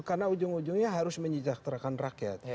karena ujung ujungnya harus menyejahterakan rakyat